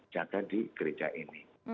jaga di gereja ini